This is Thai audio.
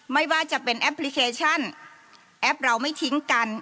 ไม่ว่าจะเป็นแอปพลิเคชันแอปเราไม่ทิ้งกัน